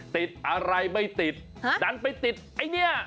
ติดอะไรไม่ติดดันไปติดไอ้เนี่ย